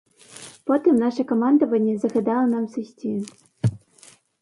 Потым наша камандаванне загадала нам сысці.